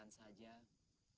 mereka mau biarkan saja